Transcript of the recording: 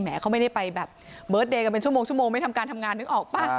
เขาไม่ได้ไปแบบเบิร์ตเดย์กันเป็นชั่วโมงชั่วโมงไม่ทำการทำงานนึกออกป่ะ